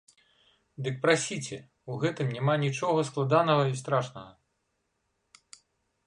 Дык прасіце, у гэтым няма нічога складанага і страшнага.